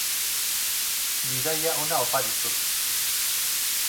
Bidaia ona opa dizut.